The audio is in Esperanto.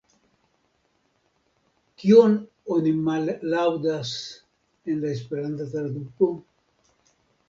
Kion oni mallaŭdas en la Esperanta traduko?